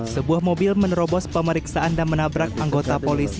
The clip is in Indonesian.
sebuah mobil menerobos pemeriksaan dan menabrak anggota polisi